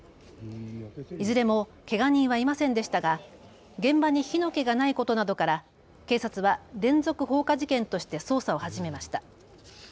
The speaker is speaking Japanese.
いずれもけが人はいませんでしたが現場に火の気がないことなどから警察は連続放火事件として捜査を始めました。